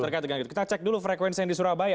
kita cek dulu frekuensi yang di surabaya